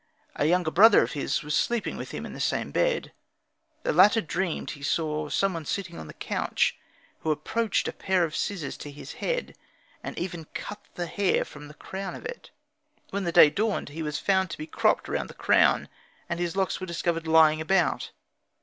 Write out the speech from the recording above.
A younger brother of his was sleeping with him in the same bed. The latter dreamed he saw some one sitting on the couch, who approached a pair of scissors to his head, and even cut the hair from the crown of it. When day dawned he was found to be cropped round the crown, and his locks were discovered lying about.